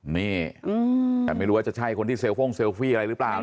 นี่แต่ไม่รู้ว่าจะใช่คนที่เซลฟงเซลฟี่อะไรหรือเปล่า